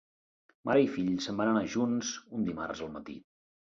Mare i fill se'n van anar junts un dimarts al matí.